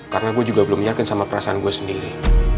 karena gue juga belum yakin sama perasaan gue sendiri